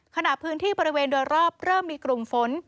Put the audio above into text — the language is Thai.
ขณะพื้นที่บริเวณโดยรอบเริ่มมีกลุ่มฝน